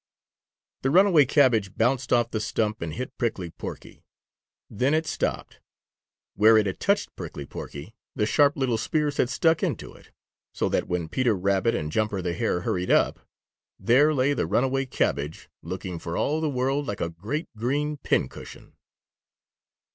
The runaway cabbage bounced off the stump and hit Prickly Porky. Then it stopped. Where it had touched Prickly Porky, the sharp little spears had stuck into it, so that when Peter Rabbit and Jumper the Hare hurried up, there lay the runaway cabbage, looking for all the world like a great green pincushion.